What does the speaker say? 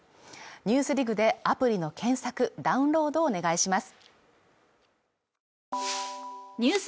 「ＮＥＷＳＤＩＧ」でアプリの検索、ダウンロードをお願いします。